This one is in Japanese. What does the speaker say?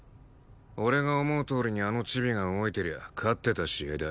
俺が思うとおりにあのチビが動いてりゃ勝ってた試合だ。